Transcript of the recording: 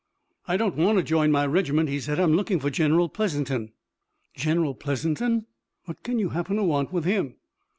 "I don't want to join my regiment," he said. "I'm looking for General Pleasanton." "General Pleasanton! What can you happen to want with him?"